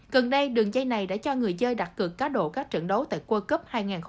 cần đây đường dây này đã cho người chơi đặt cực cát độ các trận đấu tại world cup hai nghìn một mươi tám